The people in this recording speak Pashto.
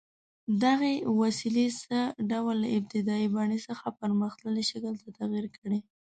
دغې وسیلې څه ډول له ابتدايي بڼې څخه پرمختللي شکل ته تغییر کړی؟